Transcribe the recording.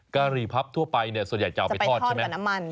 การีพับทั่วไปส่วนใหญ่จะเอาไปทอดใช่ไหม